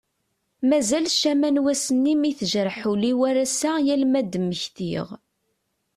Mazal ccama n wass-nni mi tejreḥ ul-iw ar ass-a yal mi ad d-mmektiɣ.